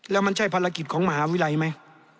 แล้วมันใช่ภารกิจของมหาวิทยาลัยไหม